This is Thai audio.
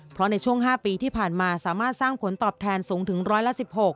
เพราะในช่วง๕ปีที่ผ่านมาสามารถสร้างผลตอบแทนสูงถึงร้อยละ๑๖